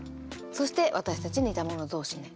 そして「私たち似たもの同士ね」。